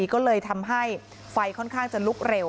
ก็เลยทำให้ไฟค่อนข้างจะลุกเร็ว